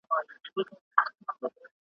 په ځنګله ننوتلی وو بېغمه `